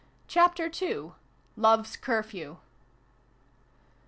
CHAPTER II. LOVE'S CURFEW.